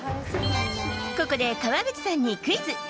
ここで川口さんにクイズ。